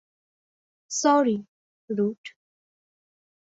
Sorry, root.